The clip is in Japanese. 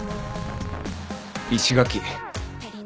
石垣。